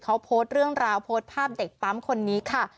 เขาโพสต์เรื่องราวโพสต์ภาพเด็กปั๊มคนนี้ค่ะ